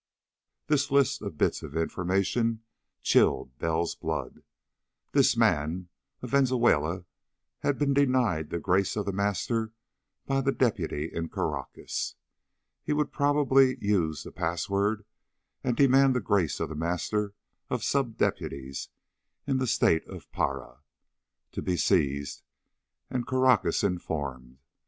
This list of bits of information chilled Bell's blood. This man, of Venezuela, had been denied the grace of The Master by the deputy in Caracas. He would probably use the passwords and demand the grace of The Master of sub deputies in the State of Pará. To be seized and Caracas informed.